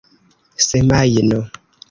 semajno